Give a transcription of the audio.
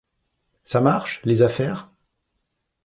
Ça marche, les affaires ?